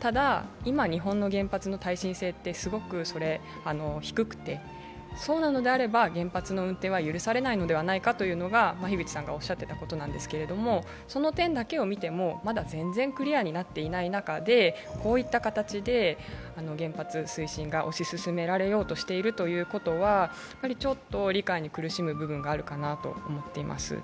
ただ、今、日本の原発の耐震性ってすごく低くて、そうなのであれば、原発の運転は許されないのではないかと樋口さんがおっしゃっていたことなんですけど、その点だけを見てもまだ全然クリアになっていない中で、こういった形で原発推進が推し進められようとしているということは、ちょっと理解に苦しむ部分があるかなと思っています。